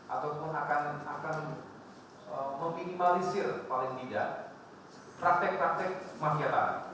ataupun akan meminimalisir paling tidak praktek praktek mafia tanah